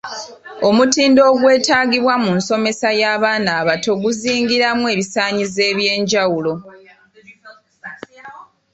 Omutindo ogwetaagibwa mu nsomesa y’abaana abato guzingiramu ebisaanyizo eby’enjawulo.